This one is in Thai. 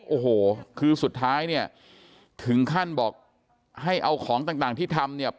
โอ้โหคือสุดท้ายเนี่ยถึงขั้นบอกให้เอาของต่างที่ทำเนี่ย